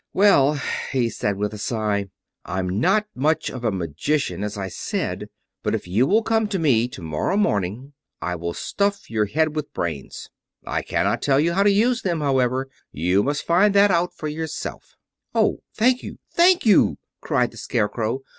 "Well," he said with a sigh, "I'm not much of a magician, as I said; but if you will come to me tomorrow morning, I will stuff your head with brains. I cannot tell you how to use them, however; you must find that out for yourself." "Oh, thank you—thank you!" cried the Scarecrow.